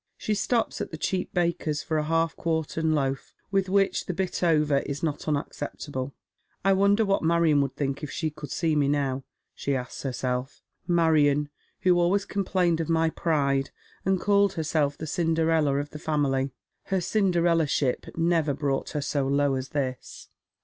She stops at the cheap baker's for a half quartern loaf, with which the bit over is not unacceptable. " I wonder what Marion would think if she could see me now V " she asks herself ;" Marion who always complained of my pride, and called herself the Cinderella of the family. Her Cinderella ship never brouglit her so low as this."